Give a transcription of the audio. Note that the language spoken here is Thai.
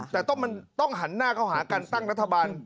แต่ต้องหันหน้าเข้าหาการตั้งรัฐบาล